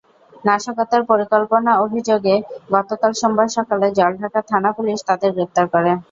নাশকতার পরিকল্পনার অভিযোগে গতকাল সোমবার সকালে জলঢাকা থানা-পুলিশ তাঁদের গ্রেপ্তার করে।